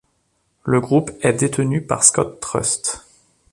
Le Groupe est détenu par Scott Trust.